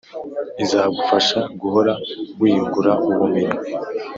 izagufasha guhora wiyungura ubumenyi